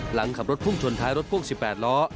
หลังขับรถพุ่งชนท้ายรถพ่วง๑๘ล้อ